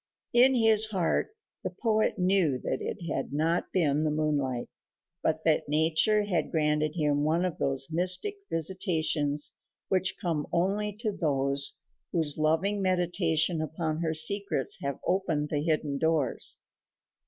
In his heart the poet knew that it had not been the moonlight, but that nature had granted him one of those mystic visitations which come only to those whose loving meditation upon her secrets have opened the hidden doors.